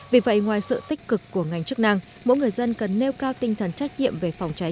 vì vậy ngoài sự tích cực của ngành chức năng mỗi người dân cần nêu cao tinh thần trách nhiệm về phòng cháy